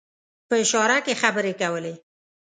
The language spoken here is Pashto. په اشاره کې خبرې کولې.